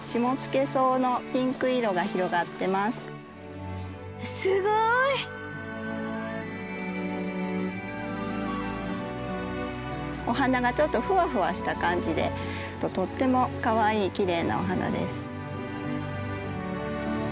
すごい！お花がちょっとフワフワした感じでとってもかわいいきれいなお花です。